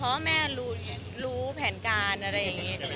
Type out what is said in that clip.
เพราะว่าแม่รู้รู้แผนการอะไรอย่างเงี้ยค่ะ